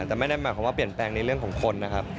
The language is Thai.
แต่ไม่ได้หมายความว่าเปลี่ยนแปลงในเรื่องของคนนะครับ